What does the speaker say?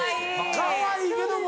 かわいいけども。